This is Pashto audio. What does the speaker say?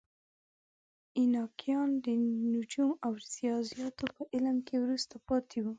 اینکایانو د نجوم او ریاضیاتو په علم کې وروسته پاتې وو.